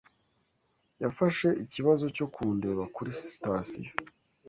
Yafashe ikibazo cyo kundeba kuri sitasiyo.